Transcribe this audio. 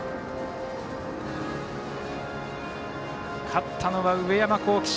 勝ったのは、上山紘輝。